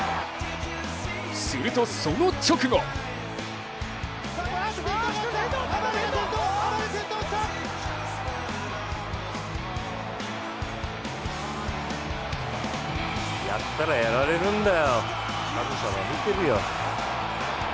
すると、その直後やったらやられるんだよ、神様、見てるよ。